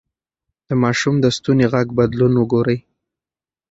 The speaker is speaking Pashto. د ماشوم د ستوني غږ بدلون وګورئ.